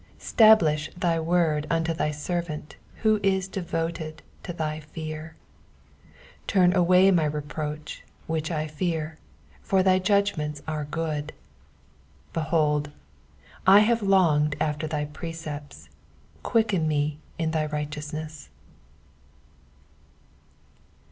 38 Stablish thy word unto thy servant, who is devoted to thy fear. 39 Turn away my reproach which I fear : for th)'' judgments are good. 40 Behold, I have longed after thy precepts : quicken me in thy righteousness.